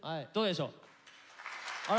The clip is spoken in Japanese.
どうでしょう。